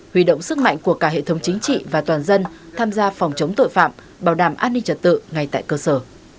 huy động sức mạnh của cả hệ thống chính trị và toàn dân tham gia phòng chống tội phạm bảo đảm an ninh trật tự ngay tại cơ sở